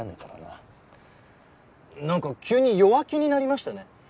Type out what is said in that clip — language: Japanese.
なんか急に弱気になりましたね。